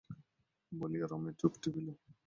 বলিয়া রমাই চোখ টিপিল।